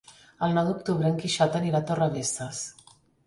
El nou d'octubre en Quixot anirà a Torrebesses.